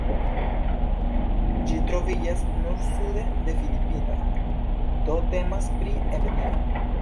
Ĝi troviĝas nur sude de Filipinoj, do temas pri Endemio.